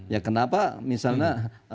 ya kenapa misalnya